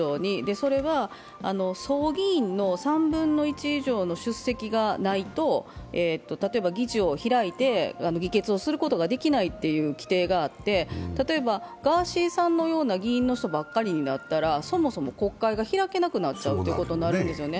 それは総議員の３分の１以上の出席がないと、例えば議事を開いて議決をすることができないという規定があって例えばガーシーさんの人のような議員ばっかりになったらそもそも国会が開けなくなっちゃうことになるんですよね。